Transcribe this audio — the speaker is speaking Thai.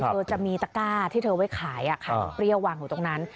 เธอจะมีตะก้าที่เธอไว้ขายเปรี้ยววางอยู่ตรงนั้น